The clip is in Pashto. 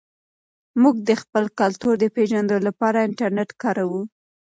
موږ د خپل کلتور د پېژندلو لپاره انټرنیټ کاروو.